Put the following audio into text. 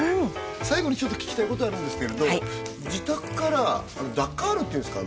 最後にちょっと聞きたいことあるんですけれど自宅からあのダッカールっていうんですか